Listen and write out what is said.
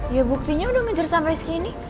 ya buktinya udah ngejar sampai segini